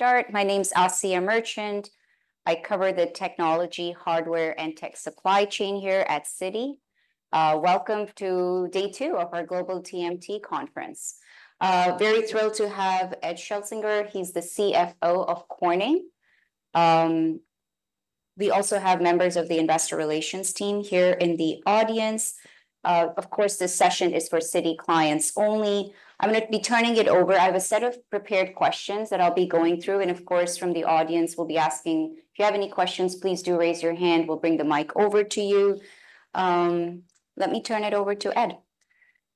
My name's Asiya Merchant. I cover the technology, hardware, and tech supply chain here at Citi. Welcome to day two of our global TMT conference. Very thrilled to have Ed Schlesinger. He's the CFO of Corning. We also have members of the investor relations team here in the audience. Of course, this session is for Citi clients only. I'm gonna be turning it over. I have a set of prepared questions that I'll be going through, and of course, from the audience, we'll be asking... If you have any questions, please do raise your hand. We'll bring the mic over to you. Let me turn it over to Ed.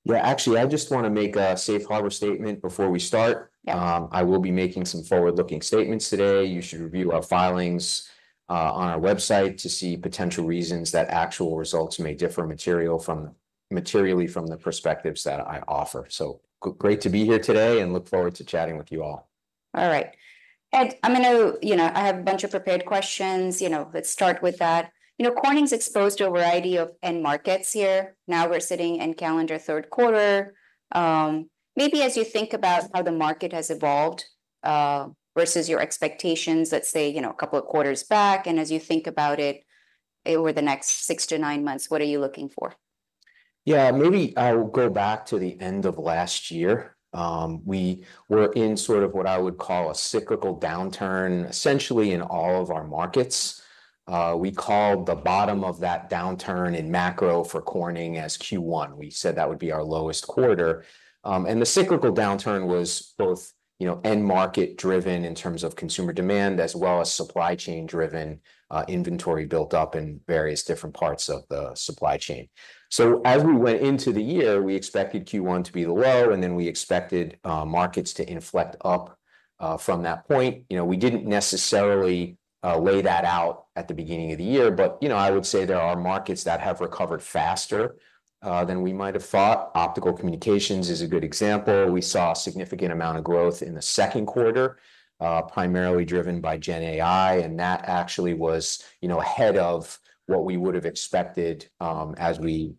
Yeah, actually, I just wanna make a safe harbor statement before we start. Yeah. I will be making some forward-looking statements today. You should review our filings on our website to see potential reasons that actual results may differ materially from the perspectives that I offer. Great to be here today, and look forward to chatting with you all. All right. Ed, I'm gonna, you know, I have a bunch of prepared questions. You know, let's start with that. You know, Corning's exposed to a variety of end markets here. Now we're sitting in calendar third quarter. Maybe as you think about how the market has evolved versus your expectations, let's say, you know, a couple of quarters back, and as you think about it over the next six to nine months, what are you looking for? Yeah, maybe I'll go back to the end of last year. We were in sort of what I would call a cyclical downturn, essentially in all of our markets. We called the bottom of that downturn in macro for Corning as Q1. We said that would be our lowest quarter, and the cyclical downturn was both, you know, end market driven in terms of consumer demand, as well as supply chain driven, inventory built up in various different parts of the supply chain. So as we went into the year, we expected Q1 to be the low, and then we expected, markets to inflect up, from that point. You know, we didn't necessarily, lay that out at the beginning of the year, but, you know, I would say there are markets that have recovered faster, than we might have thought. Optical communications is a good example. We saw a significant amount of growth in the second quarter, primarily driven by GenAI, and that actually was, you know, ahead of what we would've expected, as we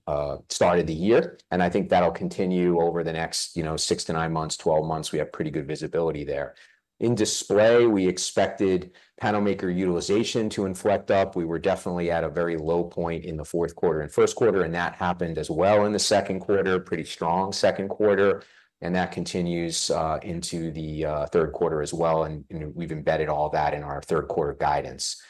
started the year, and I think that'll continue over the next, you know, six to nine months, twelve months. We have pretty good visibility there. In display, we expected panel maker utilization to inflect up. We were definitely at a very low point in the fourth quarter and first quarter, and that happened as well in the second quarter. Pretty strong second quarter, and that continues into the third quarter as well, and we've embedded all that in our third quarter guidance.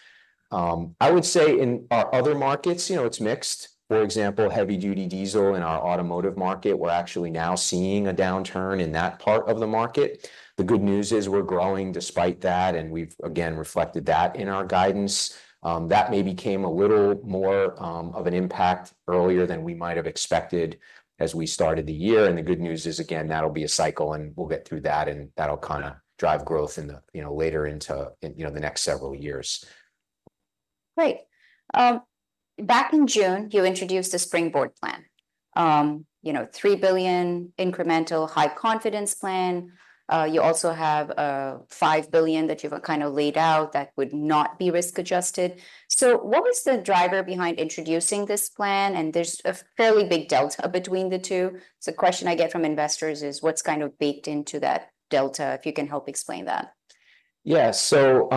I would say in our other markets, you know, it's mixed. For example, heavy-duty diesel in our automotive market, we're actually now seeing a downturn in that part of the market. The good news is we're growing despite that, and we've, again, reflected that in our guidance. That maybe came a little more of an impact earlier than we might have expected as we started the year, and the good news is, again, that'll be a cycle, and we'll get through that, and that'll kinda drive growth in the, you know, later into, in, you know, the next several years. Great. Back in June, you introduced the Springboard plan. You know, $3 billion incremental high confidence plan. You also have $5 billion that you've kind of laid out that would not be risk adjusted. So what was the driver behind introducing this plan? And there's a fairly big delta between the two. So the question I get from investors is: What's kind of baked into that delta? If you can help explain that. Yeah, so,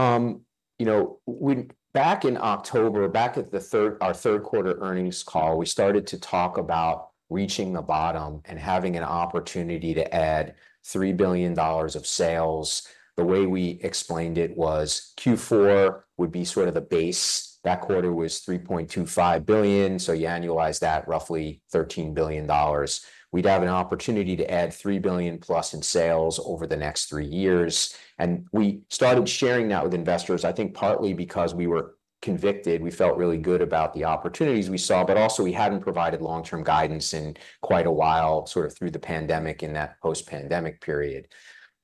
you know, back in October, back at the third, our third quarter earnings call, we started to talk about reaching the bottom and having an opportunity to add $3 billion of sales. The way we explained it was Q4 would be sort of the base. That quarter was $3.25 billion, so you annualize that, roughly $13 billion. We'd have an opportunity to add $3 billion-plus in sales over the next three years, and we started sharing that with investors, I think partly because we were convicted. We felt really good about the opportunities we saw, but also we hadn't provided long-term guidance in quite a while, sort of through the pandemic and that post-pandemic period.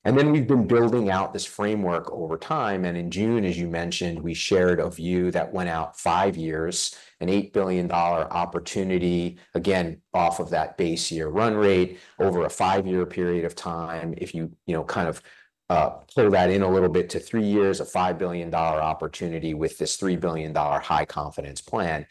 And then we've been building out this framework over time, and in June, as you mentioned, we shared a view that went out five years, an $8 billion opportunity, again, off of that base year run rate over a five-year period of time. If you, you know, kind of, play that in a little bit to three years, a $5 billion opportunity with this $3 billion high-confidence plan.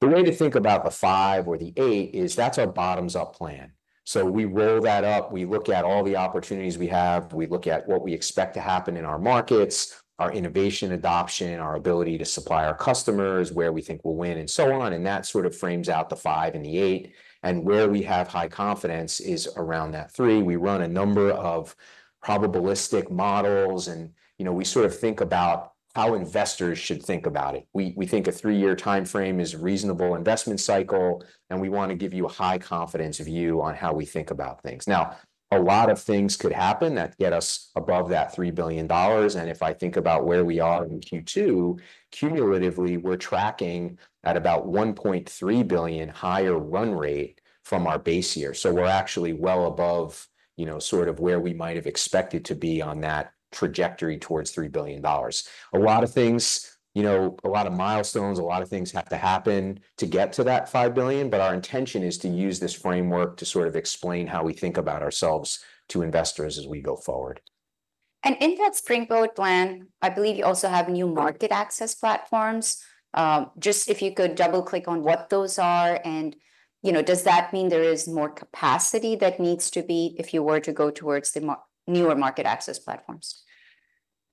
The way to think about the $5 or the $8 is that's our bottoms-up plan. So we roll that up, we look at all the opportunities we have, we look at what we expect to happen in our markets, our innovation adoption, our ability to supply our customers, where we think we'll win, and so on, and that sort of frames out the $5 and the $8. And where we have high confidence is around that $3. We run a number of probabilistic models, and, you know, we sort of think about how investors should think about it. We think a three-year timeframe is a reasonable investment cycle, and we wanna give you a high confidence view on how we think about things. Now, a lot of things could happen that get us above that $3 billion, and if I think about where we are in Q2, cumulatively, we're tracking at about $1.3 billion higher run rate from our base year. So we're actually well above, you know, sort of where we might have expected to be on that trajectory towards $3 billion. A lot of things, you know, a lot of milestones, a lot of things have to happen to get to that five billion, but our intention is to use this framework to sort of explain how we think about ourselves to investors as we go forward. In that Springboard plan, I believe you also have new Market Access Platforms. Just if you could double-click on what those are, and, you know, does that mean there is more capacity that needs to be, if you were to go towards the newer Market Access Platforms?...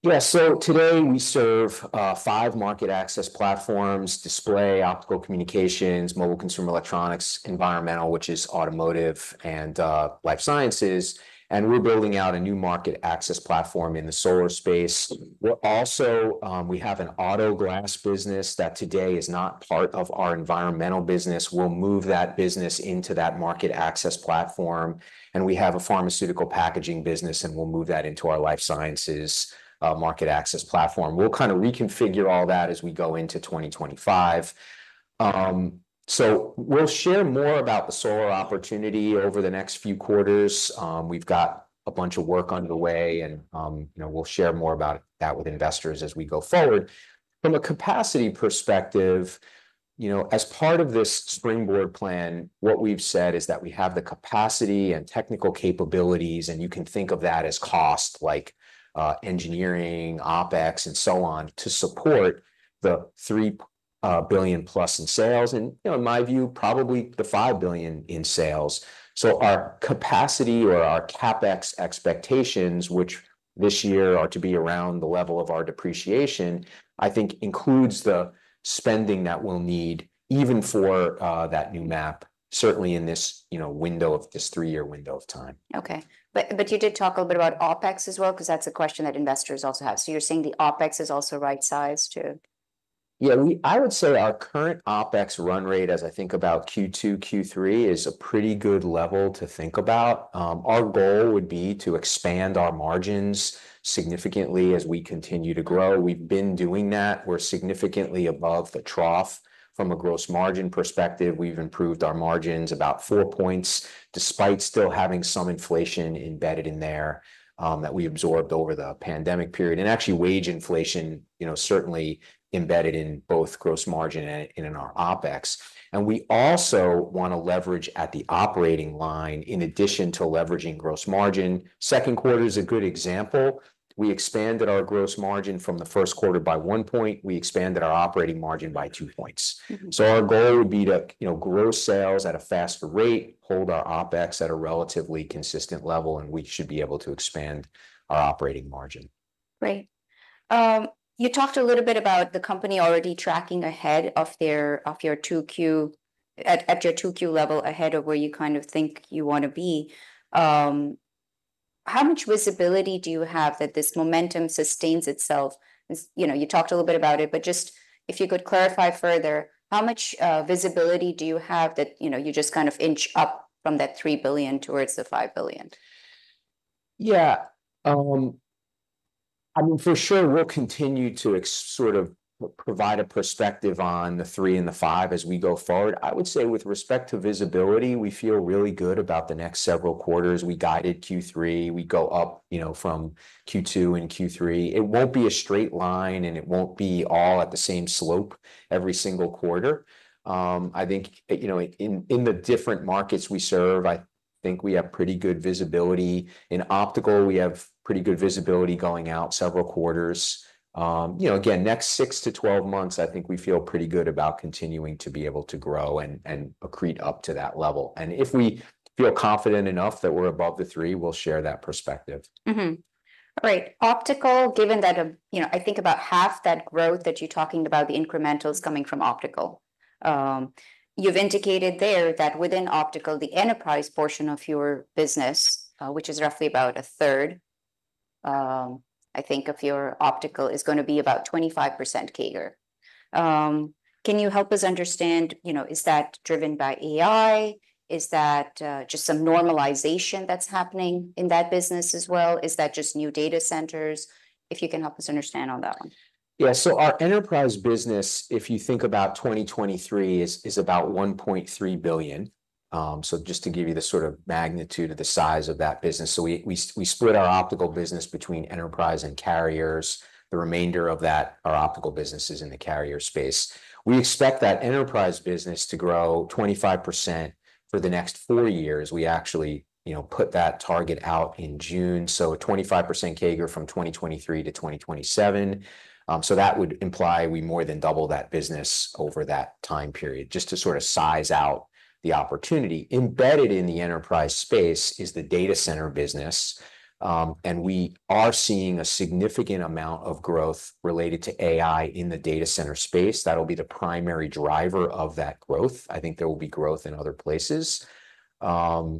Yeah, so today we serve five market access platforms: display, optical communications, mobile consumer electronics, environmental, which is automotive, and life sciences, and we're building out a new market access platform in the solar space. We're also we have an auto glass business that today is not part of our environmental business. We'll move that business into that market access platform, and we have a pharmaceutical packaging business, and we'll move that into our life sciences market access platform. We'll kind of reconfigure all that as we go into twenty twenty-five. So we'll share more about the solar opportunity over the next few quarters. We've got a bunch of work underway, and you know, we'll share more about that with investors as we go forward. From a capacity perspective, you know, as part of this Springboard plan, what we've said is that we have the capacity and technical capabilities, and you can think of that as cost, like, engineering, OpEx, and so on, to support the three billion plus in sales and, you know, in my view, probably the five billion in sales. So our capacity or our CapEx expectations, which this year are to be around the level of our depreciation, I think includes the spending that we'll need even for that new MAP, certainly in this, you know, window of this three-year window of time. Okay. But you did talk a little bit about OpEx as well, 'cause that's a question that investors also have. So you're saying the OpEx is also right sized, too? Yeah, I would say our current OpEx run rate, as I think about Q2, Q3, is a pretty good level to think about. Our goal would be to expand our margins significantly as we continue to grow. We've been doing that. We're significantly above the trough from a gross margin perspective. We've improved our margins about four points, despite still having some inflation embedded in there, that we absorbed over the pandemic period, and actually wage inflation, you know, certainly embedded in both gross margin and in our OpEx. And we also want to leverage at the operating line in addition to leveraging gross margin. Second quarter is a good example. We expanded our gross margin from the first quarter by one point. We expanded our operating margin by two points. Mm-hmm. So our goal would be to, you know, grow sales at a faster rate, hold our OpEx at a relatively consistent level, and we should be able to expand our operating margin. Great. You talked a little bit about the company already tracking ahead of your 2Q level, ahead of where you kind of think you want to be. How much visibility do you have that this momentum sustains itself? As you know, you talked a little bit about it, but just if you could clarify further, how much visibility do you have that, you know, you just kind of inch up from that $3 billion towards the $5 billion? Yeah. I mean, for sure we'll continue to sort of provide a perspective on the three and the five as we go forward. I would say with respect to visibility, we feel really good about the next several quarters. We guided Q3. We go up, you know, from Q2 and Q3. It won't be a straight line, and it won't be all at the same slope every single quarter. I think, you know, in the different markets we serve, I think we have pretty good visibility. In Optical, we have pretty good visibility going out several quarters. You know, again, next six to 12 months, I think we feel pretty good about continuing to be able to grow and accrete up to that level. And if we feel confident enough that we're above the three, we'll share that perspective. Mm-hmm. All right. Optical, given that, you know, I think about half that growth that you're talking about, the incremental, is coming from Optical. You've indicated there that within Optical, the enterprise portion of your business, which is roughly about a third, I think, of your Optical, is going to be about 25% CAGR. Can you help us understand, you know, is that driven by AI? Is that just some normalization that's happening in that business as well? Is that just new data centers? If you can help us understand on that one. Yeah. So our enterprise business, if you think about 2023, is about $1.3 billion. So just to give you the sort of magnitude of the size of that business. So we split our Optical business between enterprise and carriers. The remainder of that, our Optical business, is in the carrier space. We expect that enterprise business to grow 25% for the next three years. We actually, you know, put that target out in June, so a 25% CAGR from 2023 to 2027. So that would imply we more than double that business over that time period, just to sort of size out the opportunity. Embedded in the enterprise space is the data center business, and we are seeing a significant amount of growth related to AI in the data center space. That'll be the primary driver of that growth. I think there will be growth in other places. You know,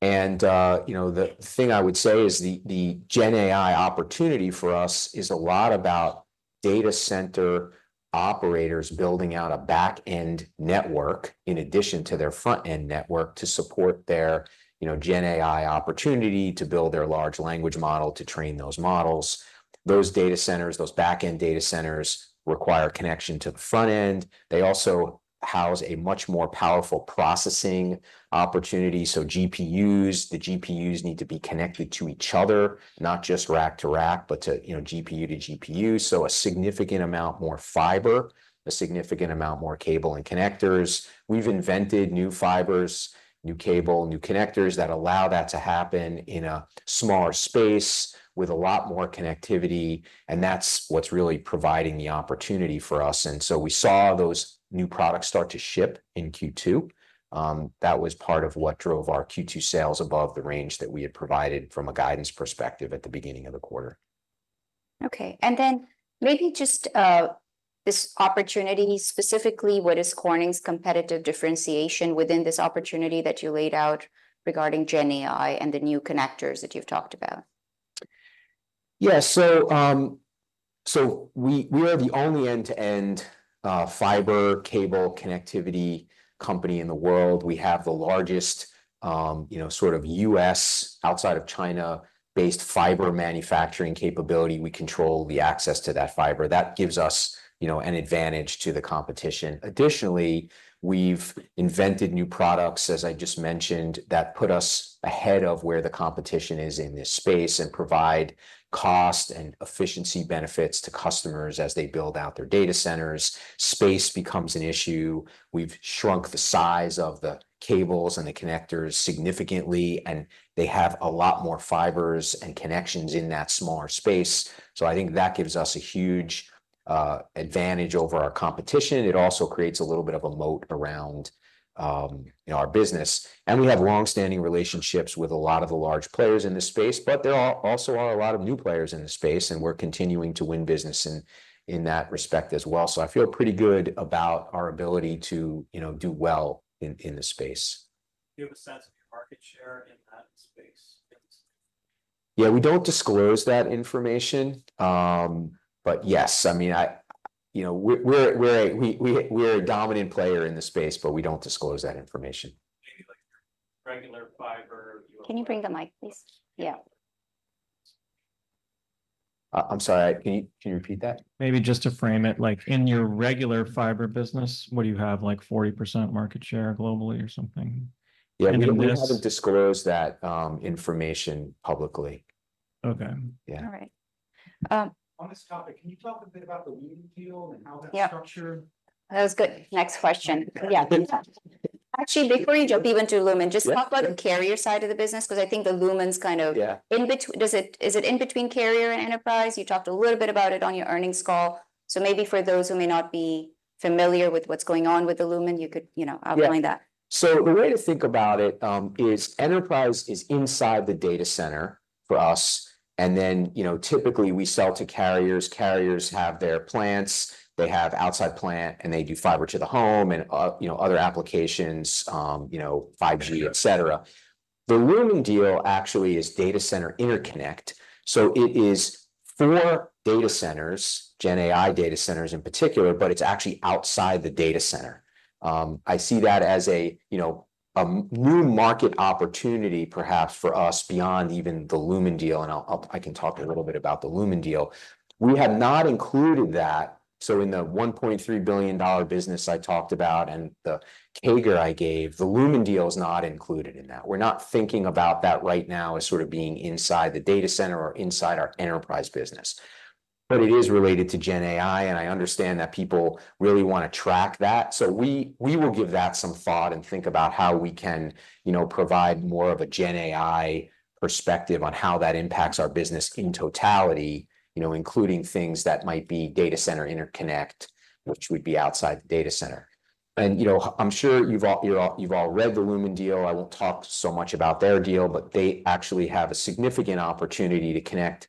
the thing I would say is the Gen AI opportunity for us is a lot about data center operators building out a back-end network in addition to their front-end network, to support their, you know, gen AI opportunity, to build their large language model, to train those models. Those data centers, those back-end data centers, require connection to the front end. They also house a much more powerful processing opportunity, so GPUs. The GPUs need to be connected to each other, not just rack to rack, but to, you know, GPU to GPU, so a significant amount more fiber, a significant amount more cable and connectors. We've invented new fibers, new cable, new connectors that allow that to happen in a smaller space with a lot more connectivity, and that's what's really providing the opportunity for us, and so we saw those new products start to ship in Q2. That was part of what drove our Q2 sales above the range that we had provided from a guidance perspective at the beginning of the quarter.... Okay, and then maybe just, this opportunity specifically, what is Corning's competitive differentiation within this opportunity that you laid out regarding GenAI and the new connectors that you've talked about? Yeah, so, so we are the only end-to-end, fiber cable connectivity company in the world. We have the largest, you know, sort of U.S., outside of China, based fiber manufacturing capability. We control the access to that fiber. That gives us, you know, an advantage to the competition. Additionally, we've invented new products, as I just mentioned, that put us ahead of where the competition is in this space and provide cost and efficiency benefits to customers as they build out their data centers. Space becomes an issue. We've shrunk the size of the cables and the connectors significantly, and they have a lot more fibers and connections in that smaller space. So I think that gives us a huge, advantage over our competition. It also creates a little bit of a moat around, you know, our business. We have long-standing relationships with a lot of the large players in this space, but there are also a lot of new players in this space, and we're continuing to win business in that respect as well. I feel pretty good about our ability to, you know, do well in this space. Do you have a sense of your market share in that space at this time? Yeah, we don't disclose that information. But yes, I mean, you know, we're a dominant player in the space, but we don't disclose that information. Maybe like your regular fiber, you- Can you bring the mic, please? Yeah. I'm sorry, can you repeat that? Maybe just to frame it, like, in your regular fiber business, what do you have, like, 40% market share globally or something? Yeah. In the U.S.- We don't disclose that information publicly. Okay. Yeah. All right, On this topic, can you talk a bit about the Lumen deal and how that's- Yeah... structured? That was good. Next question. Yeah, can you talk... Actually, before you jump even to Lumen- Yeah... just talk about the carrier side of the business, because I think the Lumen's kind of- Yeah... in between. Does it, is it in between carrier and enterprise? You talked a little bit about it on your earnings call. So maybe for those who may not be familiar with what's going on with the Lumen, you could, you know- Yeah... outline that. So the way to think about it is enterprise is inside the data center for us, and then, you know, typically we sell to carriers. Carriers have their plants, they have outside plant, and they do fiber to the home and, you know, other applications, you know, 5G, et cetera. The Lumen deal actually is data center interconnect, so it is for data centers, GenAI data centers in particular, but it's actually outside the data center. I see that as a, you know, a new market opportunity, perhaps for us, beyond even the Lumen deal, and I can talk a little bit about the Lumen deal. We had not included that. So in the $1.3 billion business I talked about and the CAGR I gave, the Lumen deal is not included in that. We're not thinking about that right now as sort of being inside the data center or inside our enterprise business, but it is related to GenAI, and I understand that people really want to track that. So we will give that some thought and think about how we can, you know, provide more of a GenAI perspective on how that impacts our business in totality, you know, including things that might be data center interconnect, which would be outside the data center, and you know, I'm sure you've all read the Lumen deal. I won't talk so much about their deal, but they actually have a significant opportunity to connect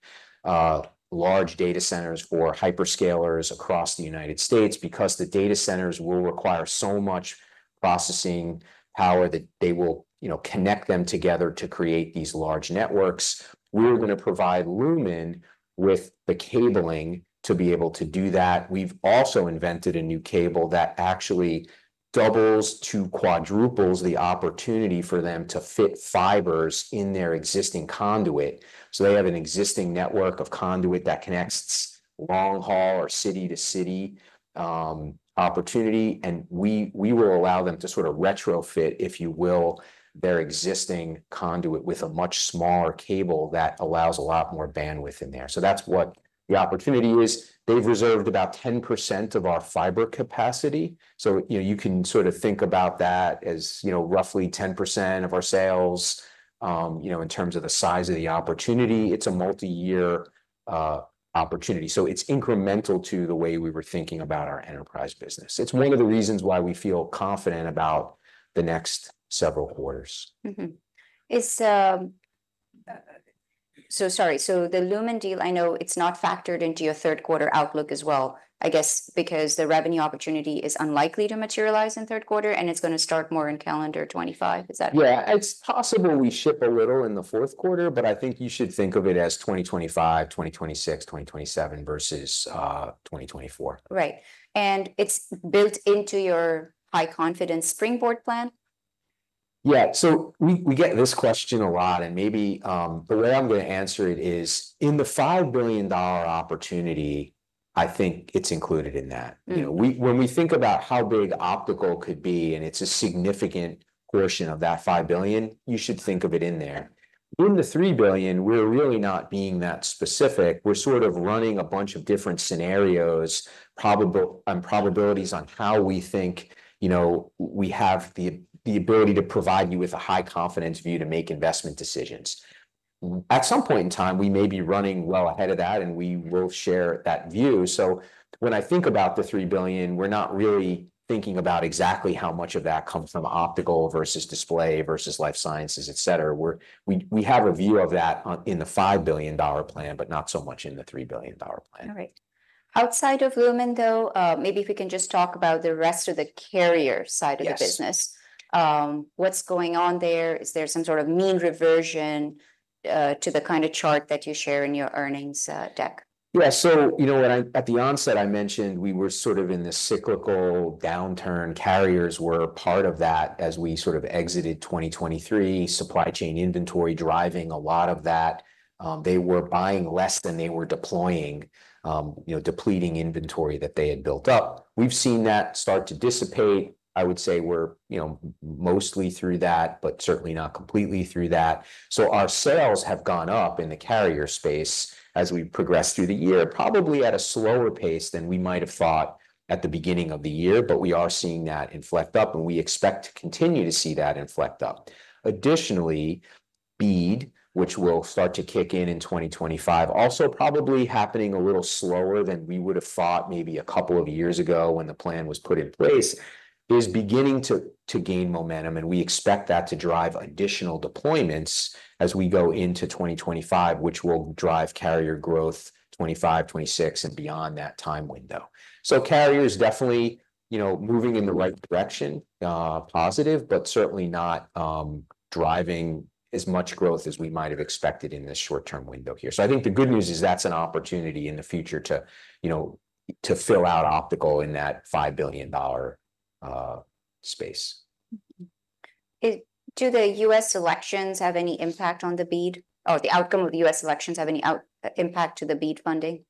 large data centers for hyperscalers across the United States because the data centers will require so much processing power that they will, you know, connect them together to create these large networks. We're gonna provide Lumen with the cabling to be able to do that. We've also invented a new cable that actually doubles to quadruples the opportunity for them to fit fibers in their existing conduit. So they have an existing network of conduit that connects long haul or city-to-city, opportunity, and we will allow them to sort of retrofit, if you will, their existing conduit with a much smaller cable that allows a lot more bandwidth in there. So that's what the opportunity is. They've reserved about 10% of our fiber capacity, so, you know, you can sort of think about that as, you know, roughly 10% of our sales, you know, in terms of the size of the opportunity. It's a multi-year, opportunity, so it's incremental to the way we were thinking about our enterprise business. It's one of the reasons why we feel confident about the next several quarters. Mm-hmm. So sorry, so the Lumen deal. I know it's not factored into your third quarter outlook as well, I guess because the revenue opportunity is unlikely to materialize in third quarter, and it's gonna start more in calendar 2025. Is that right? Yeah. It's possible we ship a little in the fourth quarter, but I think you should think of it as 2025, 2026, 2027 versus 2024. Right. And it's built into your high-confidence Springboard plan? Yeah. So we get this question a lot, and maybe, the way I'm gonna answer it is: in the $5 billion opportunity, I think it's included in that. Mm. You know, when we think about how big optical could be, and it's a significant portion of that $5 billion, you should think of it in there. In the $3 billion, we're really not being that specific. We're sort of running a bunch of different scenarios, probable probabilities on how we think, you know, we have the ability to provide you with a high confidence view to make investment decisions. At some point in time, we may be running well ahead of that, and we will share that view. So when I think about the $3 billion, we're not really thinking about exactly how much of that comes from optical versus display versus life sciences, et cetera. We have a view of that in the $5 billion plan, but not so much in the $3 billion plan. All right. Outside of Lumen, though, maybe if we can just talk about the rest of the carrier side of the business. Yes. What's going on there? Is there some sort of mean reversion to the kind of chart that you share in your earnings deck? Yeah. So, you know, when I at the onset, I mentioned we were sort of in this cyclical downturn. Carriers were a part of that as we sort of exited twenty twenty-three, supply chain inventory driving a lot of that. They were buying less than they were deploying, you know, depleting inventory that they had built up. We've seen that start to dissipate. I would say we're, you know, mostly through that, but certainly not completely through that. So our sales have gone up in the carrier space as we progress through the year, probably at a slower pace than we might have thought at the beginning of the year, but we are seeing that inflect up, and we expect to continue to see that inflect up. Additionally, BEAD, which will start to kick in in 2025, also probably happening a little slower than we would have thought maybe a couple of years ago when the plan was put in place, is beginning to gain momentum. We expect that to drive additional deployments as we go into 2025, which will drive carrier growth 2025, 2026, and beyond that time window. So carrier is definitely, you know, moving in the right direction, positive, but certainly not driving as much growth as we might have expected in this short-term window here. So I think the good news is that's an opportunity in the future to, you know, to fill out optical in that $5 billion space. Mm-hmm. Do the U.S. elections have any impact on the BEAD, or the outcome of the U.S. elections have any impact to the BEAD funding?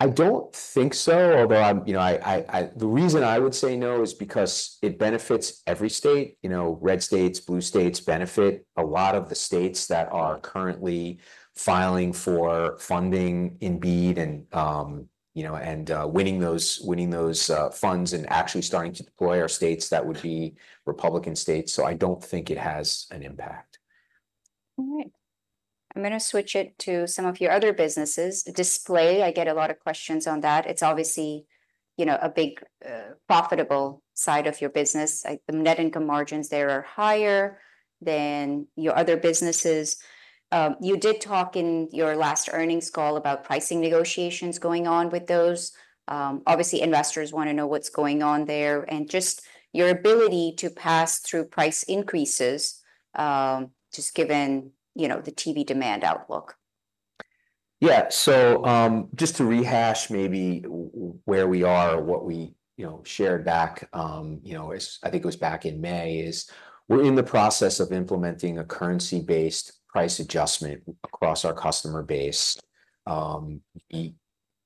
I don't think so. Although, you know, the reason I would say no is because it benefits every state. You know, red states, blue states benefit. A lot of the states that are currently filing for funding in BEAD and winning those funds and actually starting to deploy are states that would be Republican states, so I don't think it has an impact. All right. I'm gonna switch it to some of your other businesses. Display, I get a lot of questions on that. It's obviously, you know, a big, profitable side of your business. Like, the net income margins there are higher than your other businesses. You did talk in your last earnings call about pricing negotiations going on with those. Obviously, investors want to know what's going on there, and just your ability to pass through price increases, just given, you know, the TV demand outlook. Yeah. So, just to rehash maybe where we are or what we, you know, shared back, you know, is, I think it was back in May, is we're in the process of implementing a currency-based price adjustment across our customer base. We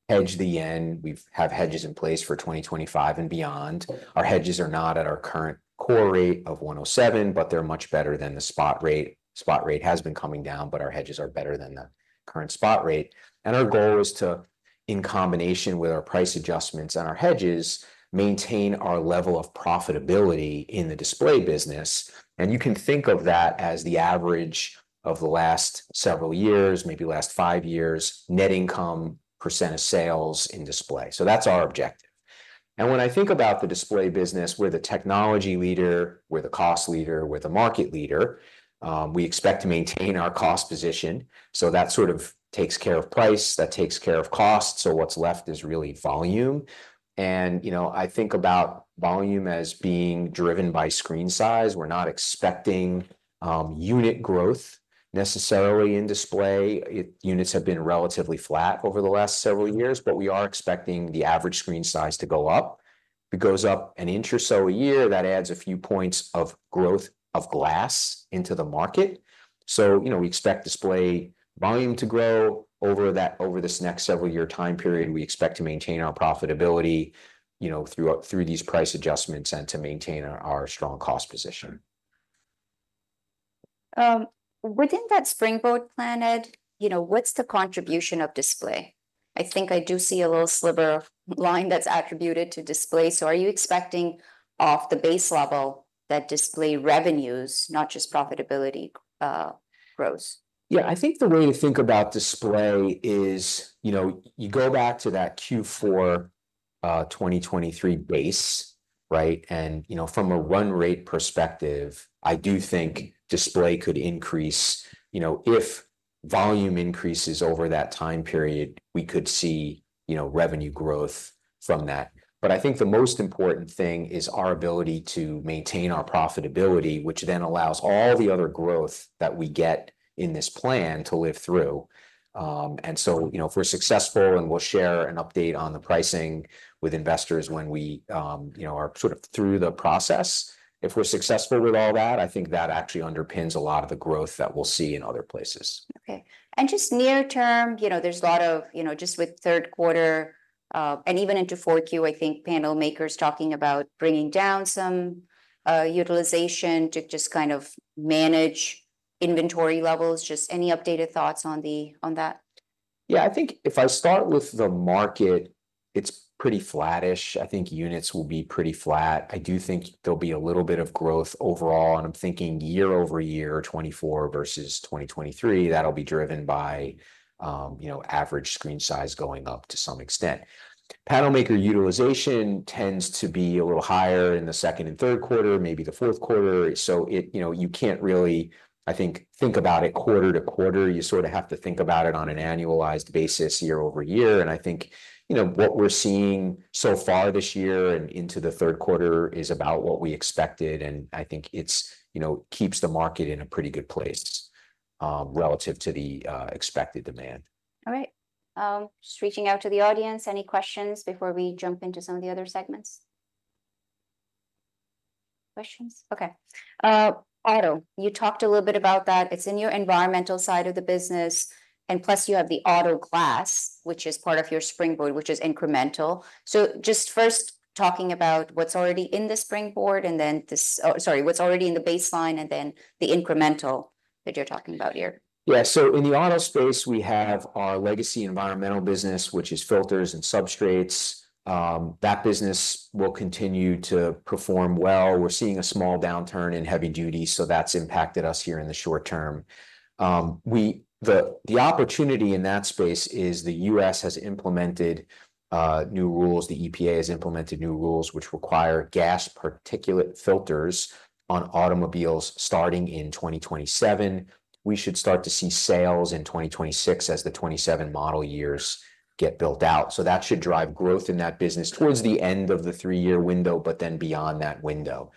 hedge the yen. We have hedges in place for 2025 and beyond. Our hedges are not at our current core rate of 107, but they're much better than the spot rate. Spot rate has been coming down, but our hedges are better than the current spot rate. And our goal is to, in combination with our price adjustments and our hedges, maintain our level of profitability in the display business, and you can think of that as the average of the last several years, maybe last five years, net income % of sales in display. So that's our objective. And when I think about the display business, we're the technology leader, we're the cost leader, we're the market leader. We expect to maintain our cost position, so that sort of takes care of price, that takes care of cost, so what's left is really volume. And, you know, I think about volume as being driven by screen size. We're not expecting unit growth necessarily in display. Units have been relatively flat over the last several years, but we are expecting the average screen size to go up. If it goes up an inch or so a year, that adds a few points of growth of glass into the market. So, you know, we expect display volume to grow over that, over this next several-year time period. We expect to maintain our profitability, you know, through these price adjustments and to maintain our strong cost position. Within that Springboard plan, Ed, you know, what's the contribution of display? I think I do see a little sliver of line that's attributed to display. So are you expecting off the base level that display revenues, not just profitability, grows? Yeah, I think the way to think about display is, you know, you go back to that Q4 2023 base, right? And, you know, from a run rate perspective, I do think display could increase. You know, if volume increases over that time period, we could see, you know, revenue growth from that. But I think the most important thing is our ability to maintain our profitability, which then allows all the other growth that we get in this plan to live through. And so, you know, if we're successful, and we'll share an update on the pricing with investors when we, you know, are sort of through the process. If we're successful with all that, I think that actually underpins a lot of the growth that we'll see in other places. Okay. And just near term, you know, there's a lot of, you know, just with third quarter, and even into 4Q, I think panel makers talking about bringing down some utilization to just kind of manage inventory levels. Just any updated thoughts on that?... Yeah, I think if I start with the market, it's pretty flattish. I think units will be pretty flat. I do think there'll be a little bit of growth overall, and I'm thinking year over year, 2024 versus 2023. That'll be driven by, you know, average screen size going up to some extent. Panel maker utilization tends to be a little higher in the second and third quarter, maybe the fourth quarter. So it, you know, you can't really, I think, think about it quarter to quarter. You sort of have to think about it on an annualized basis, year over year. And I think, you know, what we're seeing so far this year and into the third quarter is about what we expected, and I think it's, you know, keeps the market in a pretty good place, relative to the expected demand. All right. Just reaching out to the audience, any questions before we jump into some of the other segments? Questions? Okay. Auto, you talked a little bit about that. It's in your environmental side of the business, and plus, you have the auto glass, which is part of your Springboard, which is incremental. So just first talking about what's already in the Springboard, and then what's already in the baseline and then the incremental that you're talking about here. Yeah. So in the auto space, we have our legacy environmental business, which is filters and substrates. That business will continue to perform well. We're seeing a small downturn in heavy duty, so that's impacted us here in the short term. The opportunity in that space is the U.S. has implemented new rules. The EPA has implemented new rules which require gas particulate filters on automobiles starting in 2027. We should start to see sales in 2026 as the 2027 model years get built out. So that should drive growth in that business towards the end of the three-year window, but then beyond that window.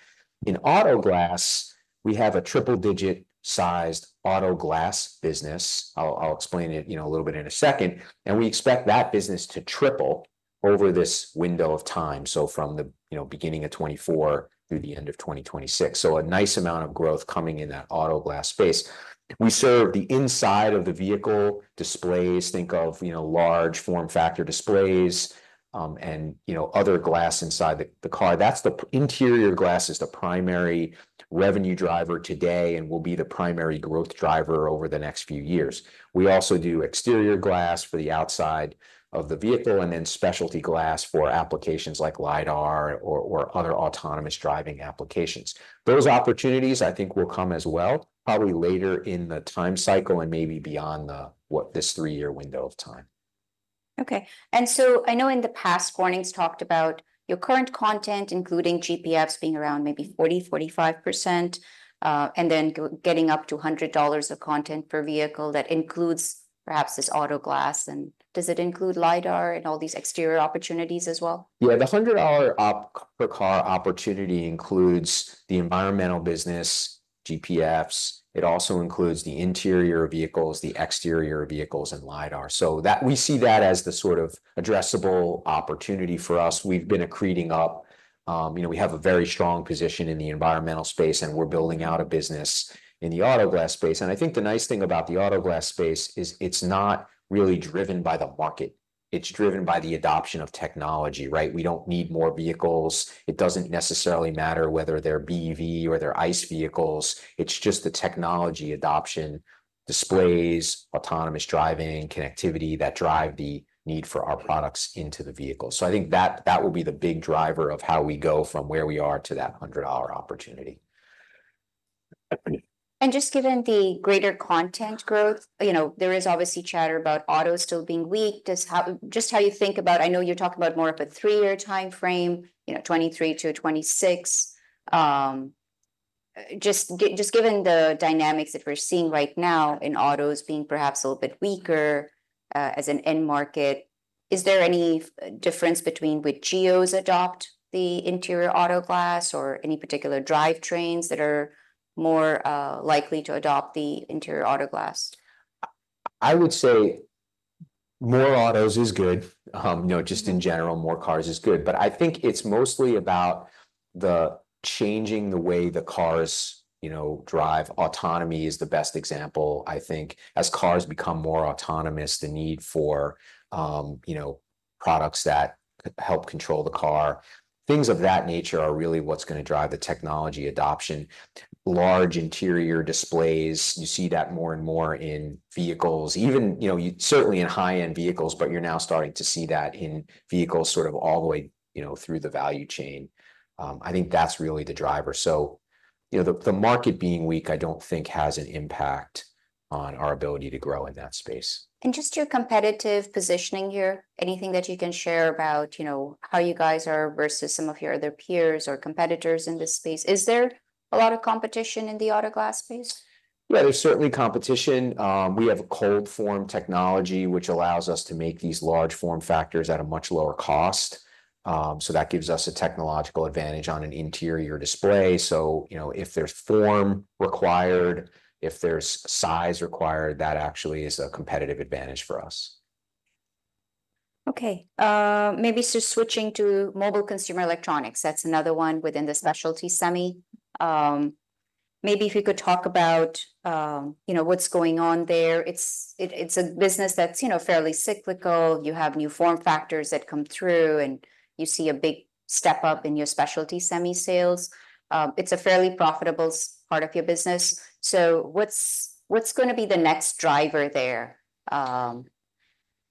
In auto glass, we have a triple-digit sized auto glass business. I'll explain it, you know, a little bit in a second, and we expect that business to triple over this window of time, so from the, you know, beginning of 2024 through the end of 2026. So a nice amount of growth coming in that auto glass space. We serve the inside of the vehicle displays. Think of, you know, large form factor displays, and, you know, other glass inside the car. That's the interior glass is the primary revenue driver today and will be the primary growth driver over the next few years. We also do exterior glass for the outside of the vehicle, and then specialty glass for applications like LiDAR or other autonomous driving applications. Those opportunities, I think, will come as well, probably later in the time cycle and maybe beyond the, what, this three-year window of time. Okay. And so I know in the past, Wendell talked about your current content, including GPFs, being around maybe 40%-45%, and then getting up to $100 of content per vehicle. That includes perhaps this auto glass, and does it include LiDAR and all these exterior opportunities as well? Yeah, the $100 per car opportunity includes the environmental business, GPFs. It also includes the interior vehicles, the exterior vehicles, and LiDAR. So that we see that as the sort of addressable opportunity for us. We've been accreting up, you know, we have a very strong position in the environmental space, and we're building out a business in the auto glass space. And I think the nice thing about the auto glass space is it's not really driven by the market. It's driven by the adoption of technology, right? We don't need more vehicles. It doesn't necessarily matter whether they're BEV or they're ICE vehicles. It's just the technology adoption, displays, autonomous driving, connectivity that drive the need for our products into the vehicle. So I think that will be the big driver of how we go from where we are to that $100 opportunity. And just given the greater content growth, you know, there is obviously chatter about autos still being weak. Just how you think about... I know you're talking about more of a three-year timeframe, you know, 2023 to 2026. Just given the dynamics that we're seeing right now in autos being perhaps a little bit weaker as an end market, is there any difference between which geos adopt the interior auto glass or any particular drivetrains that are more likely to adopt the interior auto glass? I would say more autos is good. You know, just in general, more cars is good. But I think it's mostly about the changing the way the cars, you know, drive. Autonomy is the best example, I think. As cars become more autonomous, the need for, you know, products that help control the car, things of that nature are really what's gonna drive the technology adoption. Large interior displays, you see that more and more in vehicles, even, you know, certainly in high-end vehicles, but you're now starting to see that in vehicles sort of all the way, you know, through the value chain. I think that's really the driver. So, you know, the market being weak, I don't think has an impact on our ability to grow in that space. Just your competitive positioning here, anything that you can share about, you know, how you guys are versus some of your other peers or competitors in this space? Is there a lot of competition in the auto glass space? Yeah, there's certainly competition. We have a ColdForm Technology, which allows us to make these large form factors at a much lower cost. So that gives us a technological advantage on an interior display. So, you know, if there's form required, if there's size required, that actually is a competitive advantage for us. Okay, maybe just switching to mobile consumer electronics, that's another one within the specialty semi. Maybe if you could talk about, you know, what's going on there. It's a business that's, you know, fairly cyclical. You have new form factors that come through, and you see a big step up in your specialty semi sales. It's a fairly profitable part of your business. So what's gonna be the next driver there?...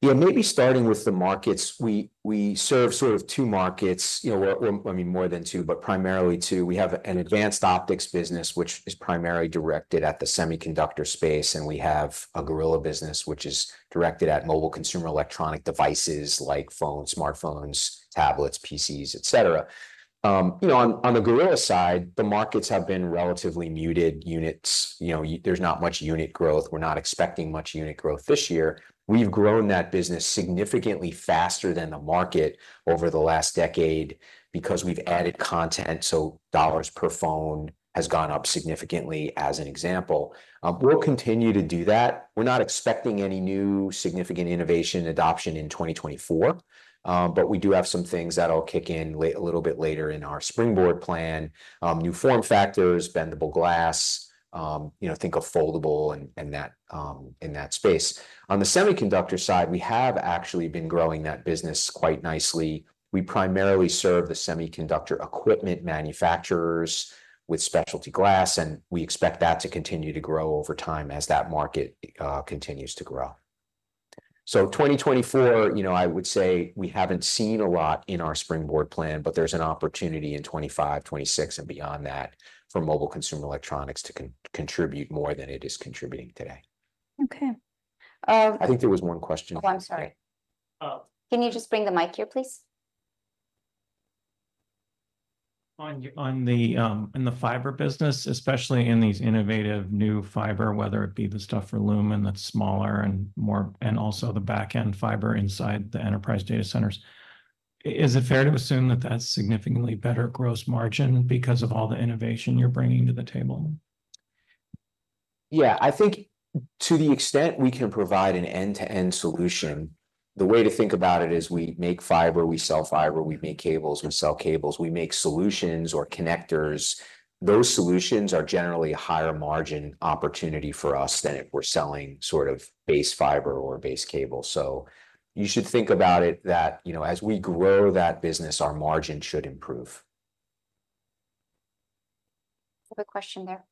Yeah, maybe starting with the markets. We serve sort of two markets, you know, well, I mean, more than two, but primarily two. We have an Advanced Optics business, which is primarily directed at the semiconductor space, and we have a Gorilla business, which is directed at mobile consumer electronic devices like phones, smartphones, tablets, PCs, et cetera. You know, on the Gorilla side, the markets have been relatively muted units. You know, there's not much unit growth. We're not expecting much unit growth this year. We've grown that business significantly faster than the market over the last decade because we've added content, so dollars per phone has gone up significantly, as an example. We'll continue to do that. We're not expecting any new significant innovation adoption in twenty twenty-four, but we do have some things that'll kick in a little bit later in our Springboard plan: new form factors, bendable glass. You know, think of foldable and that in that space. On the semiconductor side, we have actually been growing that business quite nicely. We primarily serve the semiconductor equipment manufacturers with specialty glass, and we expect that to continue to grow over time as that market continues to grow. So twenty twenty-four, you know, I would say we haven't seen a lot in our Springboard plan, but there's an opportunity in twenty five, twenty six, and beyond that for Mobile Consumer Electronics to contribute more than it is contributing today. Okay. Uh- I think there was one question. Oh, I'm sorry. Uh- Can you just bring the mic here, please? In the fiber business, especially in these innovative new fiber, whether it be the stuff for Lumen that's smaller and more... and also the back-end fiber inside the enterprise data centers, is it fair to assume that that's significantly better gross margin because of all the innovation you're bringing to the table? Yeah. I think to the extent we can provide an end-to-end solution, the way to think about it is we make fiber, we sell fiber, we make cables, we sell cables, we make solutions or connectors. Those solutions are generally a higher margin opportunity for us than if we're selling sort of base fiber or base cable. So you should think about it that, you know, as we grow that business, our margin should improve. Other question there.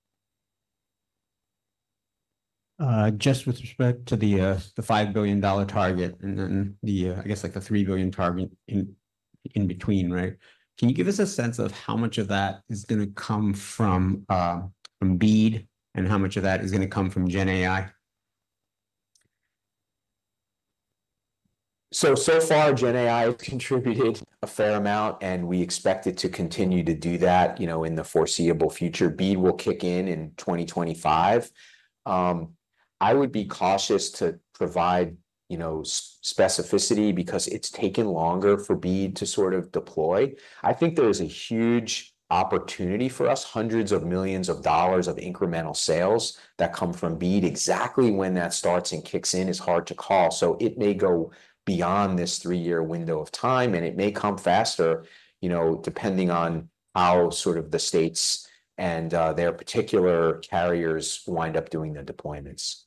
Just with respect to the $5 billion target, and then the, I guess, like the $3 billion target in between, right? Can you give us a sense of how much of that is gonna come from BEAD, and how much of that is gonna come from Gen AI? So far, GenAI has contributed a fair amount, and we expect it to continue to do that, you know, in the foreseeable future. BEAD will kick in in twenty twenty-five. I would be cautious to provide, you know, specificity because it's taken longer for BEAD to sort of deploy. I think there is a huge opportunity for us, hundreds of millions of dollars of incremental sales that come from BEAD. Exactly when that starts and kicks in is hard to call, so it may go beyond this three-year window of time, and it may come faster, you know, depending on how sort of the states and their particular carriers wind up doing the deployments.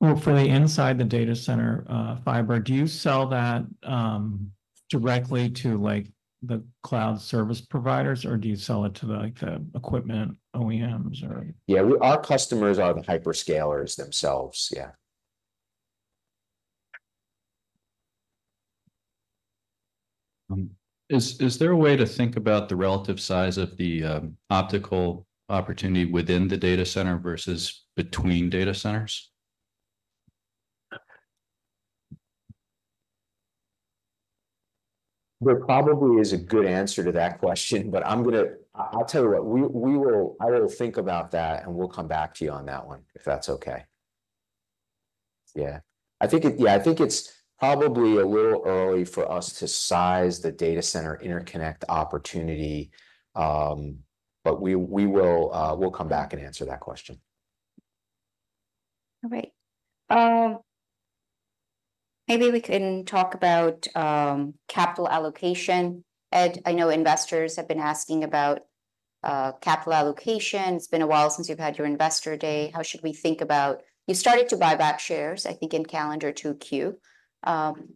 For the inside the data center, fiber, do you sell that directly to, like, the cloud service providers, or do you sell it to, like, the equipment OEMs, or? Yeah, our customers are the hyperscalers themselves. Yeah. Is there a way to think about the relative size of the optical opportunity within the data center versus between data centers? There probably is a good answer to that question, but I'm gonna. I'll tell you what, we will. I will think about that, and we'll come back to you on that one, if that's okay. Yeah. I think it. Yeah, I think it's probably a little early for us to size the data center interconnect opportunity, but we will. We'll come back and answer that question. All right. Maybe we can talk about capital allocation. Ed, I know investors have been asking about capital allocation. It's been a while since you've had your investor day. How should we think about... You started to buy back shares, I think, in calendar 2Q.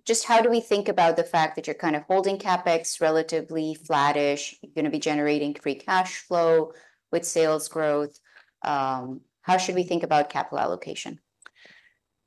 Just how do we think about the fact that you're kind of holding CapEx relatively flattish, you're gonna be generating free cash flow with sales growth? How should we think about capital allocation?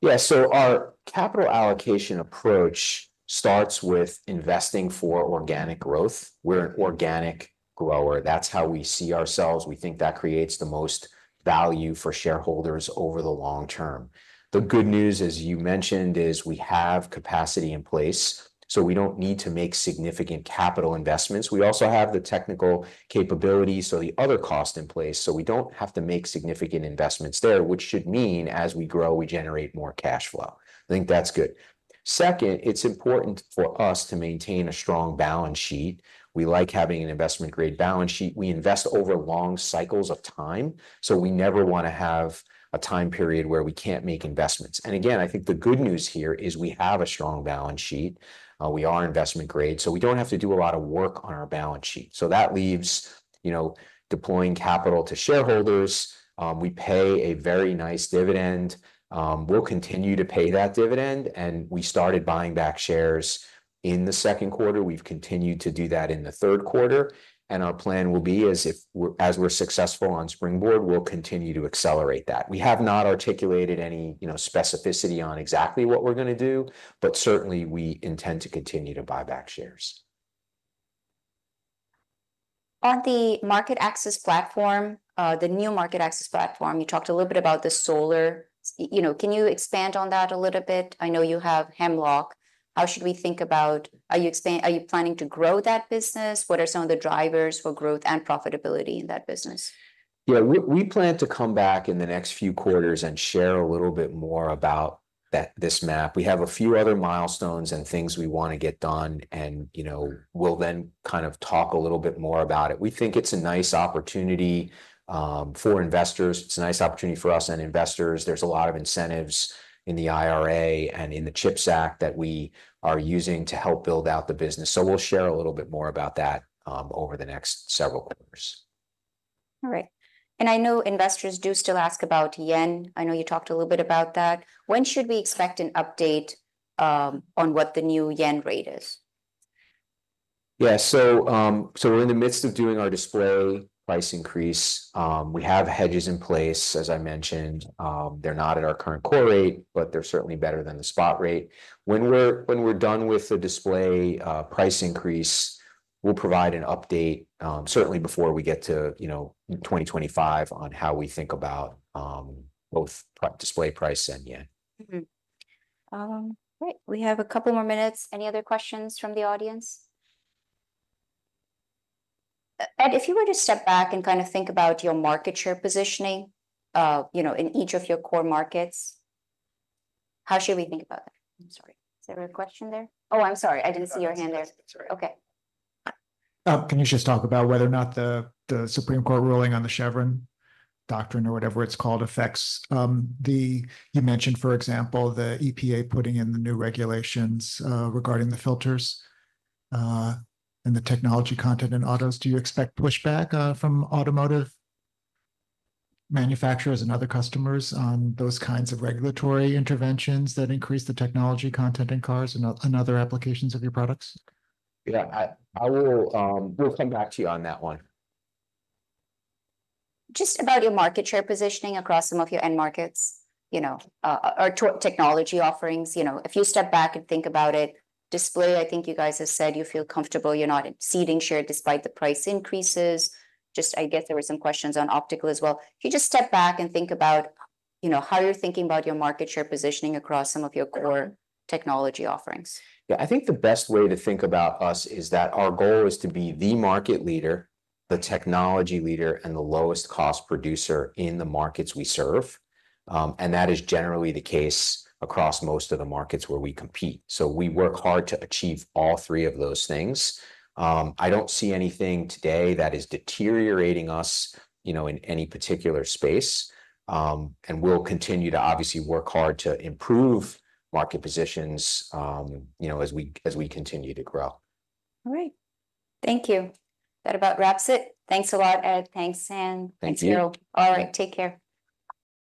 Yeah, so our capital allocation approach starts with investing for organic growth. We're an organic grower. That's how we see ourselves. We think that creates the most value for shareholders over the long term. The good news, as you mentioned, is we have capacity in place, so we don't need to make significant capital investments. We also have the technical capabilities, so the other cost in place, so we don't have to make significant investments there, which should mean as we grow, we generate more cash flow. I think that's good. Second, it's important for us to maintain a strong balance sheet. We like having an investment-grade balance sheet. We invest over long cycles of time, so we never wanna have a time period where we can't make investments. And again, I think the good news here is we have a strong balance sheet. We are investment grade, so we don't have to do a lot of work on our balance sheet. So that leaves, you know, deploying capital to shareholders. We pay a very nice dividend. We'll continue to pay that dividend, and we started buying back shares in the second quarter. We've continued to do that in the third quarter, and our plan will be, as we're successful on Springboard, we'll continue to accelerate that. We have not articulated any, you know, specificity on exactly what we're gonna do, but certainly we intend to continue to buy back shares.... On the Market Access Platform, the new Market Access Platform, you talked a little bit about the solar. You know, can you expand on that a little bit? I know you have Hemlock. How should we think about- are you planning to grow that business? What are some of the drivers for growth and profitability in that business? Yeah, we plan to come back in the next few quarters and share a little bit more about that, this MAP. We have a few other milestones and things we want to get done, and, you know, we'll then kind of talk a little bit more about it. We think it's a nice opportunity for investors. It's a nice opportunity for us and investors. There's a lot of incentives in the IRA and in the CHIPS Act that we are using to help build out the business, so we'll share a little bit more about that over the next several quarters. All right. And I know investors do still ask about yen. I know you talked a little bit about that. When should we expect an update on what the new yen rate is? Yeah, so we're in the midst of doing our display price increase. We have hedges in place, as I mentioned. They're not at our current core rate, but they're certainly better than the spot rate. When we're done with the display price increase, we'll provide an update certainly before we get to, you know, twenty twenty-five, on how we think about both display price and yen. Mm-hmm. Right, we have a couple more minutes. Any other questions from the audience? Ed, if you were to step back and kind of think about your market share positioning, you know, in each of your core markets, how should we think about that? I'm sorry, is there a question there? Oh, I'm sorry, I didn't see your hand there. That's all right. Okay. Can you just talk about whether or not the Supreme Court ruling on the Chevron doctrine, or whatever it's called, affects. You mentioned, for example, the EPA putting in the new regulations regarding the filters and the technology content in autos. Do you expect pushback from automotive manufacturers and other customers on those kinds of regulatory interventions that increase the technology content in cars and other applications of your products? Yeah, I will. We'll come back to you on that one. Just about your market share positioning across some of your end markets, you know, or technology offerings. You know, if you step back and think about it, display, I think you guys have said you feel comfortable you're not ceding share despite the price increases. Just I guess there were some questions on optical as well. If you just step back and think about, you know, how you're thinking about your market share positioning across some of your core technology offerings. Yeah, I think the best way to think about us is that our goal is to be the market leader, the technology leader, and the lowest cost producer in the markets we serve. And that is generally the case across most of the markets where we compete, so we work hard to achieve all three of those things. I don't see anything today that is deteriorating us, you know, in any particular space. And we'll continue to obviously work hard to improve market positions, you know, as we continue to grow. All right. Thank you. That about wraps it. Thanks a lot, Ed. Thanks, Sam. Thank you. Thanks, Carol. Thank you. All right, take care.